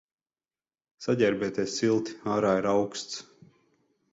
Saģērbieties silti, ārā ir auksts.